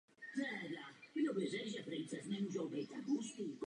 Od té chvíle se o něj výrazně začala zajímat média.